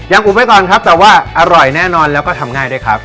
อุบไว้ก่อนครับแต่ว่าอร่อยแน่นอนแล้วก็ทำง่ายด้วยครับ